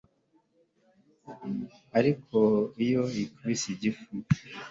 ariko iyo ikubise igifu